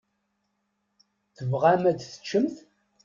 Tebɣam ad teččemt?